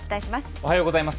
おはようございます。